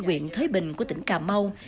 quyện thới bình của tỉnh cà mau